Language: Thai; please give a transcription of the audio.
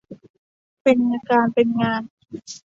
เป็นการเป็นงาน